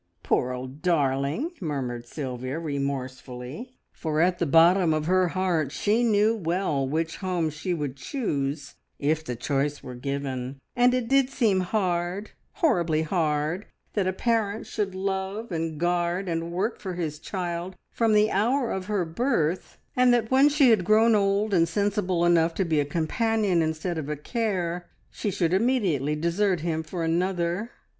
"Poor old darling!" murmured Sylvia remorsefully, for at the bottom of her heart she knew well which home she would choose if the choice were given, and it did seem hard horribly hard that a parent should love and guard and work for his child from the hour of her birth, and that when she had grown old and sensible enough to be a companion instead of a care, she should immediately desert him for another!